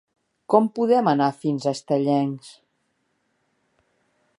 Com podem anar fins a Estellencs?